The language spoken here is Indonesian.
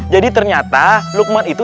jadi ternyata lukman itu